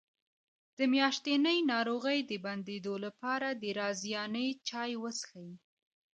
د میاشتنۍ ناروغۍ د بندیدو لپاره د رازیانې چای وڅښئ